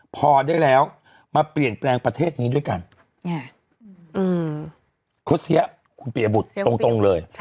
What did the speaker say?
พอได้แล้วมาเปลี่ยนแปลงประเทศนี้ด้วยกันโค้เสียคุณปียบุตรตรงเลย